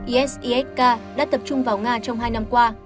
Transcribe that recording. isisk đã tập trung vào nga trong hai năm qua